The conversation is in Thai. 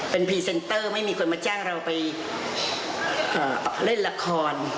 เป็นพรีเซนเตอร์ไม่มีคนมาจ้างเราไปเล่นละคร